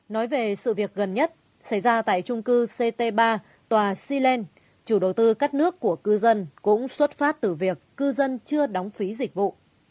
nói về sự việc gần nhất xảy ra tại trung cư ct ba tòa cylene chủ đầu tư cắt nước của cư dân cũng xuất phát từ việc cư dân chưa đóng phí dịch vụ